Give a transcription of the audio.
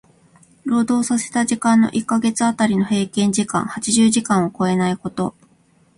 労働させた時間の一箇月当たりの平均時間八十時間を超えないこと。